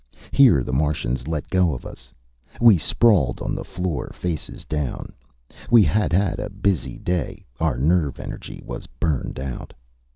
Here the Martians let go of us. We sprawled on the floor, faces down. We'd had a busy day. Our nerve energy was burned out.